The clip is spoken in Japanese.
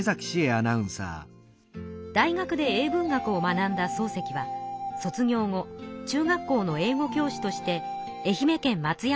大学で英文学を学んだ漱石は卒業後中学校の英語教師として愛媛県松山市に赴任します。